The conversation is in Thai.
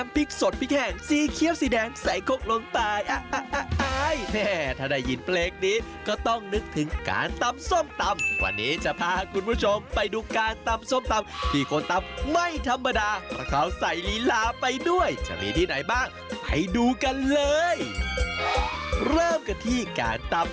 ภีราของชาวร้อยเกิดเอ้ยร้อยเอ็ดกันครับ